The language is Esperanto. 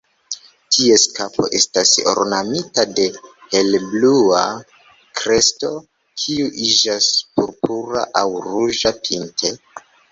Ties kapo estas ornamita de helblua kresto, kiu iĝas purpura aŭ ruĝa pinte.